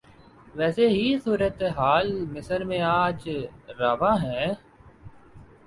ویسی ہی صورتحال مصر میں آج روا ہے۔